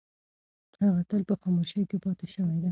هغه تل په خاموشۍ کې پاتې شوې ده.